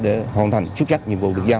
để hoàn thành chức trách nhiệm vụ được giao